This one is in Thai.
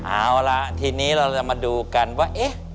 เอาล่ะทีนี้เราจะมาดูกันว่าเอ๊ะ